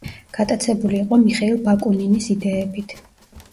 გატაცებული იყო მიხეილ ბაკუნინის იდეებით.